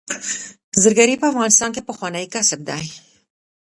زرګري په افغانستان کې پخوانی کسب دی